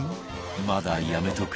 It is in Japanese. まだやめとく？